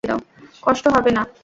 কষ্ট হবে না?